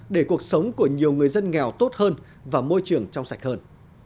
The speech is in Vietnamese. để cuộc sống của nhiều người dân nghèo tốt hơn và môi trường trong sạch hơn